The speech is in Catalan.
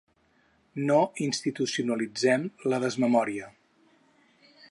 No institucionalitzem la desmemòria.